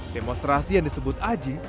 demonstrasi yang disebut aji